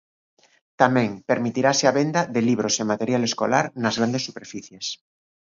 Tamén, permitirase a venda de libros e material escolar nas grandes superficies.